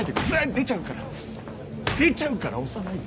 出ちゃうから押さないで。